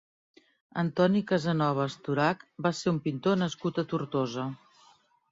Antoni Casanova Estorach va ser un pintor nascut a Tortosa.